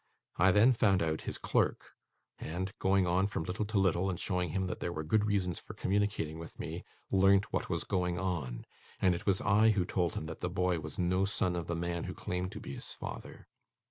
I then found out his clerk, and, going on from little to little, and showing him that there were good reasons for communicating with me, learnt what was going on; and it was I who told him that the boy was no son of the man who claimed to be his father.